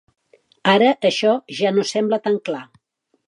Ara això ja no sembla tan clar.